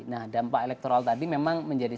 nah dampak elektoral tadi memang menjadi